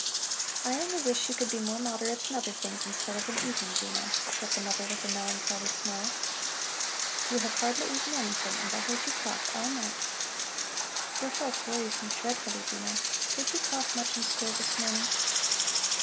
"I only wish you could be more moderate in other things instead of in eating, Dino," said the mother with a melancholy smile. "You have hardly eaten anything, and I heard you cough all night. Your health worries me dreadfully, Dino. Did you cough much in school this morning?"